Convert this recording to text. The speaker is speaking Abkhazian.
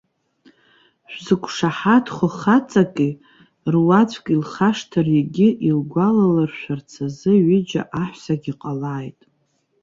Шәзықәшаҳаҭхо хаҵаки, руаӡәк илхашҭыр егьи илгәалалыршәарц азы ҩыџьа аҳәсагьы ҟалааит.